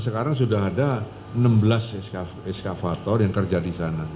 sekarang sudah ada enam belas eskavator yang kerja disana